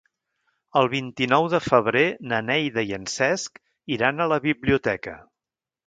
El vint-i-nou de febrer na Neida i en Cesc iran a la biblioteca.